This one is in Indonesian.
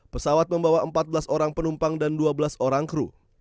pesawat membawa empat belas orang penumpang dan dua belas orang kru